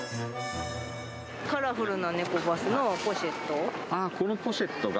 カラフルなネコバスのポシェこのポシェットが。